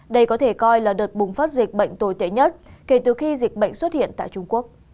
đây có thể coi là đợt bùng phát dịch bệnh tồi tệ nhất kể từ khi dịch bệnh xuất hiện tại trung quốc